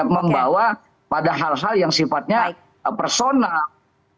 membawa pada hal hal yang sifatnya personal